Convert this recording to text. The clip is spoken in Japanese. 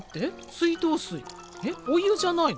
水道水えっお湯じゃないの？